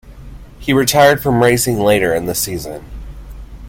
He retired from racing later in the season.